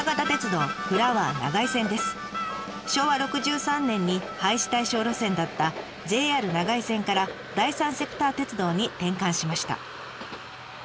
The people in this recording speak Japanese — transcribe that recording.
昭和６３年に廃止対象路線だったＪＲ長井線から第三セクター鉄道に転換しました。